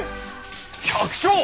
百姓？